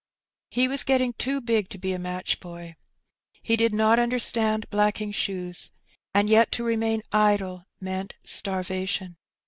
He was get ting too big to be a match boy. He did not understand blacking shoes^ and yet to remain idle meant starvation.